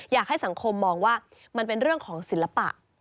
อยากให้สังคมมองว่ามันเป็นเรื่องของศิลปะ